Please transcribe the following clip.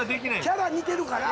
キャラ似てるから。